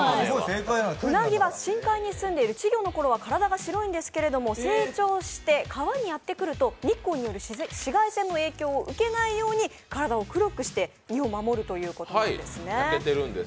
うなぎは深海に住んでいて稚魚のころは体が白いんですけど、成長して川にやってくると日光による紫外線の影響を受けないように体を黒くして身を守るということなんですね。